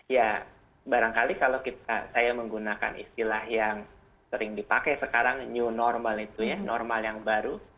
ya barangkali kalau saya menggunakan istilah yang sering dipakai sekarang new normal itu ya normal yang baru